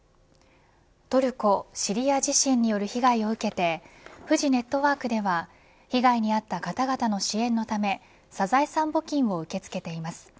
トルコ・シリア地震による被害を受けてフジネットワークでは被害に遭った方々の支援のためサザエさん募金を受け付けています。